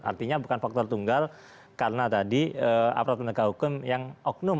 artinya bukan faktor tunggal karena tadi aparat penegak hukum yang oknum